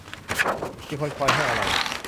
มีคนคอยให้อะไร